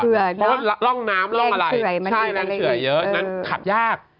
เพราะว่าร่องน้ำร่องอะไรใช่นั้นเสือเยอะนั้นขับยาก